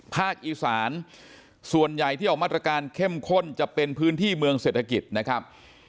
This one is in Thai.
ภาคอีสานส่วนใหญ่ที่ออกมาตรการเข้มข้นจะเป็นพื้นที่เมืองเศรษฐกิจนะครับ